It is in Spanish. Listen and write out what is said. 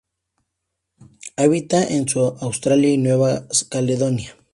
Habita en Australia y Nueva Caledonia.